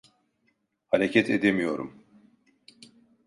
Hareket edemiyorum.